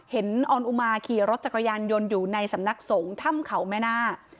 ออนอุมาขี่รถจักรยานยนต์อยู่ในสำนักสงฆ์ถ้ำเขาแม่หน้า